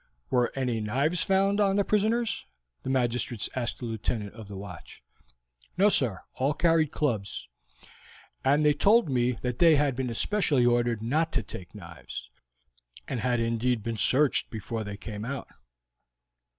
"Were any knives found on the prisoners?" the magistrates asked the Lieutenant of the watch. "No, sir; all carried clubs. And they told me that they had been especially ordered not to take knives, and had indeed been searched before they came out."